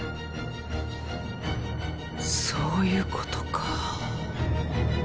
そういうことか。